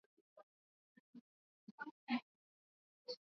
akishuhudilia katika runinga kuwekwa kwa karantini